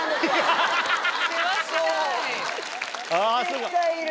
絶対いる。